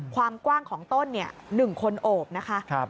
ความกว้างของต้น๑คนโอบนะคะ